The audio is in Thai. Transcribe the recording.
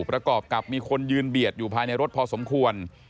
ประกอบกับมีคนยืนเบียดอยู่ภายในรถพอสมควร